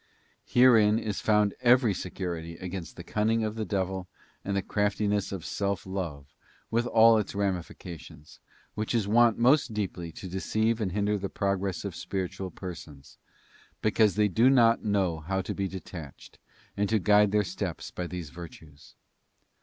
Herein is found every security against the cunning of the devil and the craftiness of self love with all its ramifications, which is wont most deeply to deceive and hinder the progress of spiritual persons, because they do not know how tw be detached, and to guide their steps by these virtues.